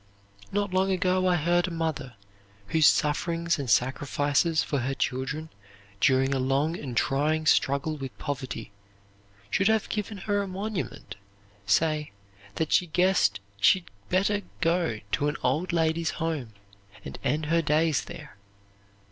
Not long ago I heard a mother, whose sufferings and sacrifices for her children during a long and trying struggle with poverty should have given her a monument, say, that she guessed she'd better go to an old ladies' home and end her days there.